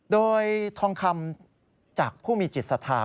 โดยทองคำจากผู้มีจิตศรัทธา